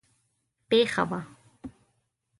پېښه وه.